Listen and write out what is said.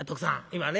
今ね